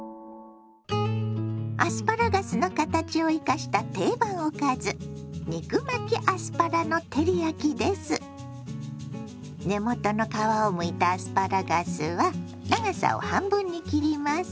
アスパラガスの形を生かした定番おかず根元の皮をむいたアスパラガスは長さを半分に切ります。